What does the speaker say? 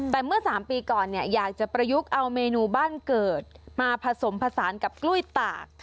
แต่เมื่อ๓ปีก่อนเนี่ยอยากจะประยุกต์เอาเมนูบ้านเกิดมาผสมผสานกับกล้วยตาก